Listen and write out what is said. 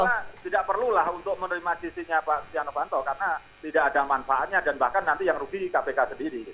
karena tidak perlu lah untuk menerima jisinya pak sianopanto karena tidak ada manfaatnya dan bahkan nanti yang rugi kpk sendiri